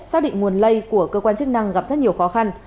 xác định nguồn lây của cơ quan chức năng gặp rất nhiều khó khăn